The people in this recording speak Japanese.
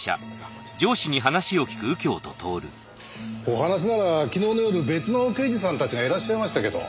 お話なら昨日の夜別の刑事さんたちがいらっしゃいましたけど。